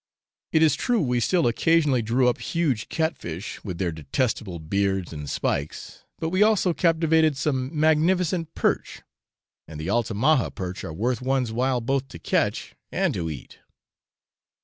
It is true we still occasionally drew up huge cat fish, with their detestable beards and spikes, but we also captivated some magnificent perch, and the Altamaha perch are worth one's while both to catch and to eat.